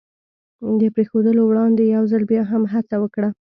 د پرېښودلو وړاندې یو ځل بیا هم هڅه وکړه.